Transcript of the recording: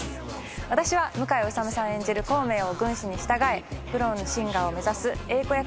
私は向井理さん演じる孔明を軍師に従えプロのシンガーを目指す英子役を演じています。